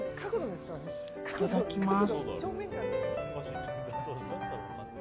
いただきます。